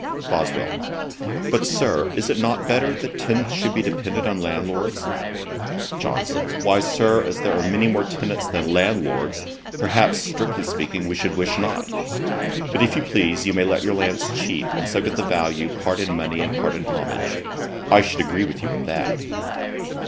BOSWELL. 'But, Sir, is it not better that tenants should be dependant on landlords?' JOHNSON. 'Why, Sir, as there are many more tenants than landlords, perhaps, strictly speaking, we should wish not. But if you please you may let your lands cheap, and so get the value, part in money and part in homage. I should agree with you in that.'